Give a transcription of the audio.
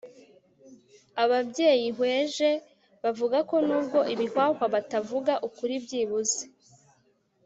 Ababyeyihweje bavugako nubwo ibihwahwa bitavuga ukuri byibuze